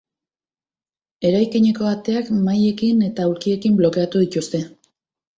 Eraikineko ateak mahaiekin eta aulkiekin blokeatu dituzte.